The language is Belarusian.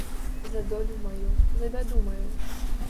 За долю маю, за бяду маю.